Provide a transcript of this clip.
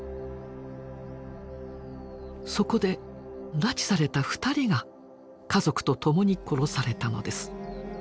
そこで拉致された２人が家族と共に殺されたのです。